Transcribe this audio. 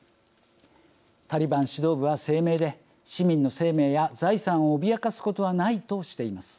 タリバン指導部は声明で市民の生命や財産を脅かすことはないとしています。